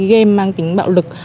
game mang tính bạo lực